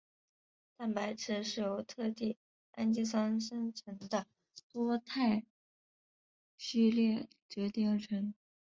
蛋白质是由特定氨基酸生成的多肽序列折叠而成。